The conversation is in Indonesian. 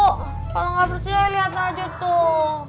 kalau nggak percaya lihat aja tuh